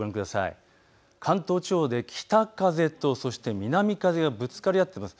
関東地方で北風と南風がぶつかり合っています。